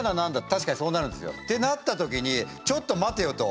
確かにそうなるんですよってなった時にちょっと待てよと。